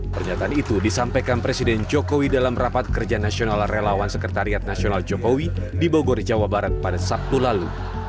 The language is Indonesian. pernyataan itu disampaikan presiden jokowi dalam rapat kerja nasional relawan sekretariat nasional jokowi di bogor jawa barat pada sabtu lalu